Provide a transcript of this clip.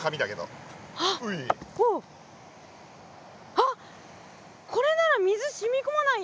あっこれなら水染み込まないよ。